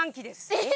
えっ？